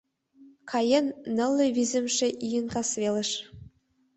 Каен нылле визымше ийын касвелыш